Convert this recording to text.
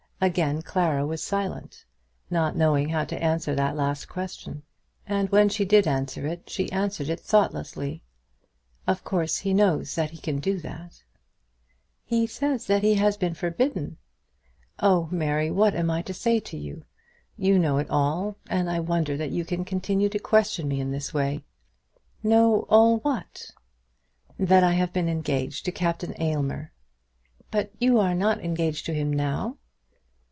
Again Clara was silent, not knowing how to answer that last question. And when she did answer it, she answered it thoughtlessly. "Of course he knows that he can do that." "He says that he has been forbidden." "Oh, Mary, what am I to say to you? You know it all, and I wonder that you can continue to question me in this way." "Know all what?" "That I have been engaged to Captain Aylmer." "But you are not engaged to him now."